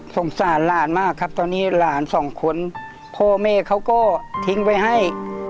สงสารหลานมากครับตอนนี้หลานสองคนพ่อแม่เขาก็ทิ้งไว้ให้